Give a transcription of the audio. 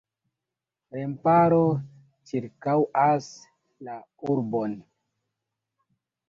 Remparo ĉirkaŭas la urbon.